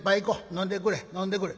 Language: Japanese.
飲んでくれ飲んでくれ」。